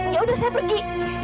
yaudah saya pergi